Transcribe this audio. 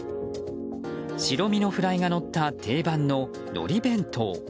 白身のフライがのった定番の、のり弁当。